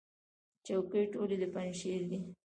چوکۍ ټولې د پنجشیر دي.